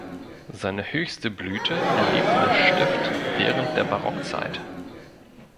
Seine höchste Blüte erlebte das Stift während der Barockzeit.